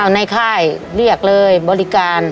ในค่ายเรียกเลยบริการ